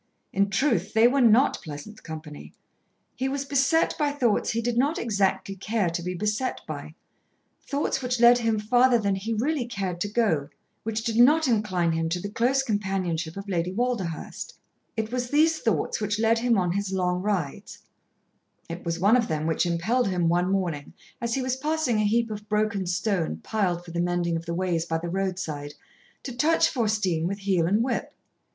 In truth they were not pleasant company. He was beset by thoughts he did not exactly care to be beset by thoughts which led him farther than he really cared to go, which did not incline him to the close companionship of Lady Walderhurst. It was these thoughts which led him on his long rides; it was one of them which impelled him, one morning, as he was passing a heap of broken stone, piled for the mending of the ways by the roadside, to touch Faustine with heel and whip.